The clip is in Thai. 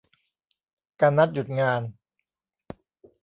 การนัดหยุดงาน